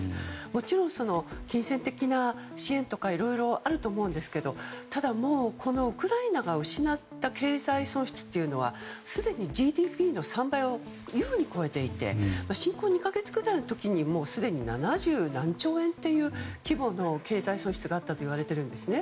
もちろん、金銭的な支援とかいろいろあると思うんですけどウクライナが失った経済損失はすでにＧＤＰの３倍を優に超えていて侵攻２か月くらいの時にすでにに七十何兆円という経済損失があったといわれているんですね。